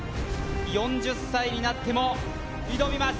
４０歳になっても挑みます